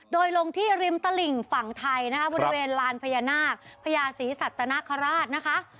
โดยลงที่ริมตลิ่งฝั่งไทยนะคะบริเวณลานพญานาคพญาศรีสัตนคราชนะคะ